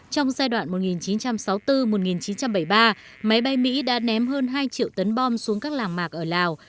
trong giai đoạn một nghìn chín trăm sáu mươi bốn một nghìn chín trăm bảy mươi ba máy bay mỹ đã ném hơn hai triệu tấn bom xuống các làng mạc ở lào